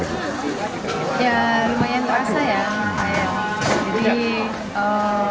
ya lumayan terasa ya